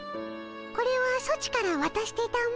これはソチからわたしてたも。